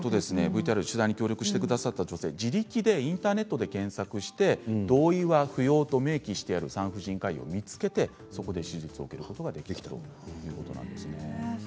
協力してくださった女性は自力でインターネットで検索して同意は不要と明記してある産婦人科医を見つけてそこで手術を受けることができたということなんですね。